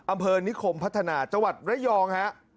อำเภอนิคมพัฒนาจังหวัดระยองฮะ